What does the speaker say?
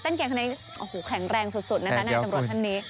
เต้นเกียงขนาดนี้แข็งแรงสุดนะครับที่ตำรวจท่านนี้